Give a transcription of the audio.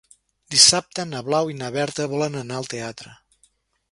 Dissabte na Blau i na Berta volen anar al teatre.